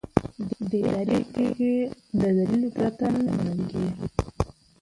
اداري پریکړې د دلیل پرته نه منل کېږي.